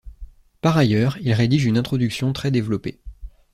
Par ailleurs, il rédige une introduction très développée.